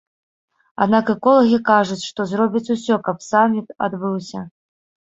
Аднак эколагі кажуць, што зробяць усё, каб саміт адбыўся.